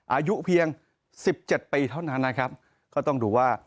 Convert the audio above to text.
อายุเพียงสิบเจ็ดปีเท่านั้นนะครับก็ต้องดูว่า